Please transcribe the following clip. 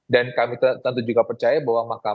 dan kami tentu juga percaya bahwa mahkamah